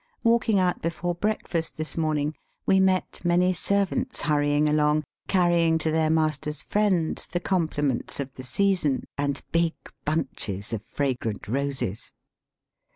Walking out before breakfast this morning we met many servants hurrying along, carrying to their masters' friends the compliments of the season / and big bunches of fragrant roses.